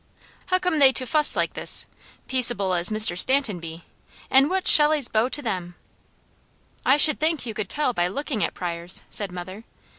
"Huccome they to fuss like this, peaceable as Mr. Stanton be, an' what's Shelley's beau to them?" "I should think you could tell by looking at Pryors," said mother.